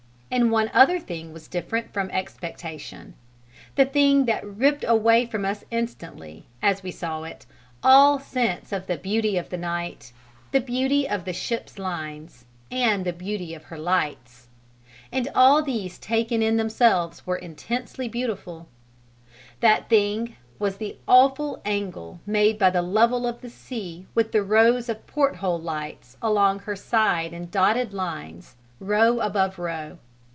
And one other thing was different from expectation: the thing that ripped away from us instantly, as we saw it, all sense of the beauty of the night, the beauty of the ship's lines, and the beauty of her lights, and all these taken in themselves were intensely beautiful, that thing was the awful angle made by the level of the sea with the rows of porthole lights along her side in dotted lines, row above row.